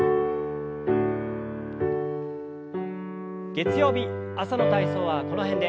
月曜日朝の体操はこの辺で。